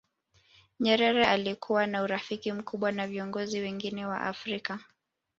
nyerere alikuwa na urafiki mkubwa na viongozi wengine wa afrika